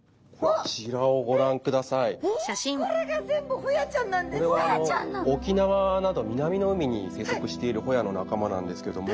これは沖縄など南の海に生息しているホヤの仲間なんですけども。